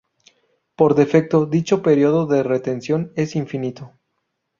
Por defecto, dicho período de retención es infinito.